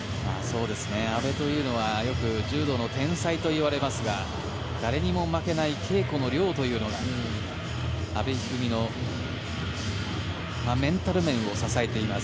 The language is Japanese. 阿部というのはよく柔道の天才といわれますが誰にも負けない稽古の量というのが阿部一二三のメンタル面を支えています。